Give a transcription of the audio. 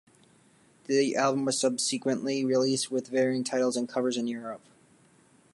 The album was subsequently released with varying titles and covers in Europe.